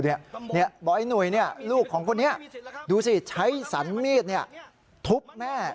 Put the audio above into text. ไอ้หนุ่ยลูกของคนนี้ดูสิใช้สันมีดทุบแม่